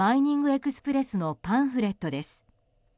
エクスプレスのパンフレットです。